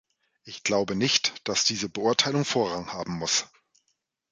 Ich glaube nicht, dass diese Beurteilung Vorrang haben muss.